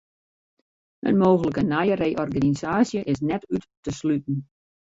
In mooglike nije reorganisaasje is net út te sluten.